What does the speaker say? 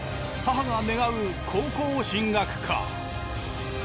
母が願う高校進学か？